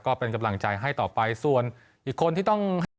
ก็เป็นกำลังใจให้ต่อไปส่วนอีกคนที่ต้องให้